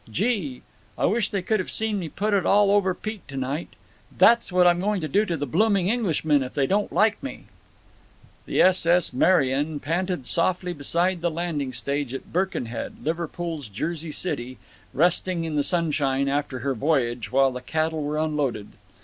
Gee! I wish they could have seen me put it all over Pete to night! That's what I'm going to do to the blooming Englishmen if they don't like me." The S.S. Merian panted softly beside the landing stage at Birkenhead, Liverpool's Jersey City, resting in the sunshine after her voyage, while the cattle were unloaded.